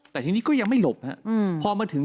แต่ทีนี้ก็ยังไม่หลบพอมาถึง